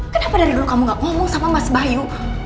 kenapa dari dulu kamu gak ngomong sama mas bayu